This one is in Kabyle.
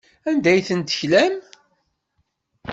Anda ay tent-teklam?